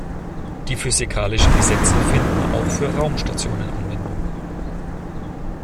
Die physikalischen Gesetze finden auch für Raumstationen Anwendung.